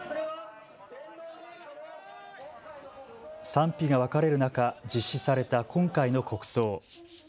賛否が分かれる中実施された今回の国葬。